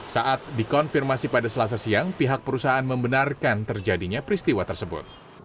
saat dikonfirmasi pada selasa siang pihak perusahaan membenarkan terjadinya peristiwa tersebut